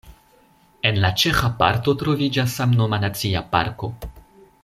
En la ĉeĥa parto troviĝas samnoma nacia parko.